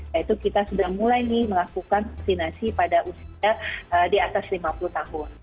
yaitu kita sudah mulai melakukan vaksinasi pada usia di atas lima puluh tahun